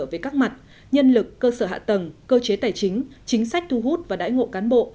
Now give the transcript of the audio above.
về các mặt nhân lực cơ sở hạ tầng cơ chế tài chính chính sách thu hút và đải ngộ cán bộ